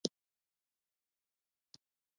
موږ لا خپلې خبرې کولې چې پادري پاڅېد او ووت.